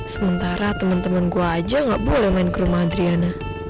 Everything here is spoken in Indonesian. sementara temen temen gue aja gak boleh main ke rumah adriana